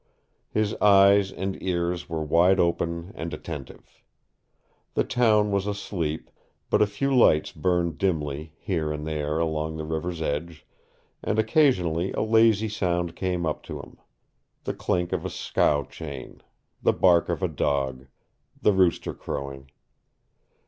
His eyes and ears were wide open and attentive. The town was asleep, but a few lights burned dimly here and there along the river's edge, and occasionally a lazy sound came up to him the clink of a scow chain, the bark of a dog, the rooster crowing.